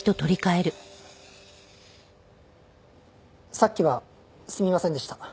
さっきはすみませんでした。